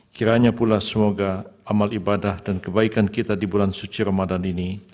kiranya pula semoga amal ibadah dan kebaikan kita di bulan suci ramadan ini